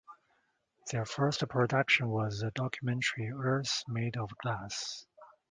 Their first production was the documentary "Earth Made of Glass".